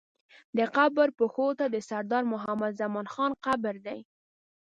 د قبر پښو ته د سردار محمد زمان خان قبر دی.